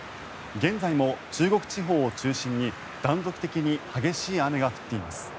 現在も中国地方を中心に断続的に激しい雨が降っています。